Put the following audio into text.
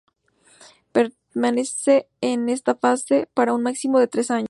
Permanecen en esta fase para un máximo de tres años.